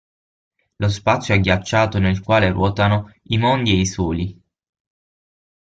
Lo spazio agghiacciato nel quale ruotano i mondi e i soli.